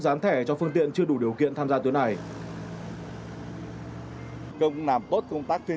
gián thẻ cho phương tiện chưa đủ điều kiện tham gia tuyến này